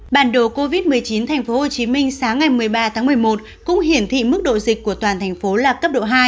bản đồ covid một mươi chín tp hcm sáng ngày một mươi ba tháng một mươi một cũng hiển thị mức độ dịch của toàn thành phố là cấp độ hai